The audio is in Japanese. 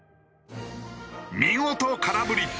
見事空振り。